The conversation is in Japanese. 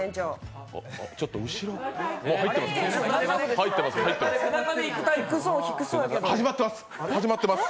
ちょっと後ろ入ってます、入ってます。